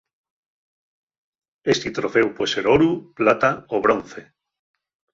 Esti troféu pue ser oru, plata o bronce.